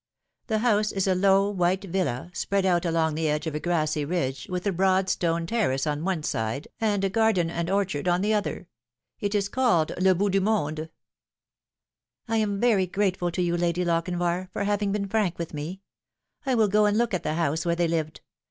The house is a low white villa, spread out along the edge of a grassy ridge, with a broad stone terrace on one side and a garden and orchard on the other. It is called Le Bout du Monde." " I am very grateful to you, Lady Lochinvar, for having been frank with me. I will go and look at the house where they lived.